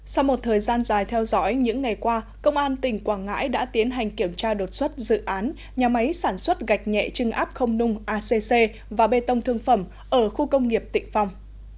sau một thời gian dài theo dõi những ngày qua công an tỉnh quảng ngãi đã tiến hành kiểm tra đột xuất dự án nhà máy sản xuất gạch nhẹ trưng áp không nung acc và bê tông thương phẩm ở khu công nghiệp tịnh phong